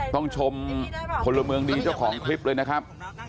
ต้องชมพลเมืองดีเจ้าของคลิปเลยนะครับ